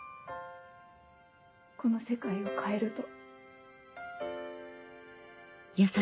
この世界を変えると。